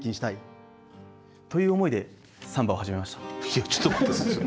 いやちょっと待って。